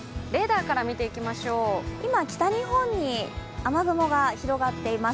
今、北日本に雨雲が広がっています。